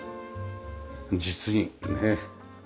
実にねえ。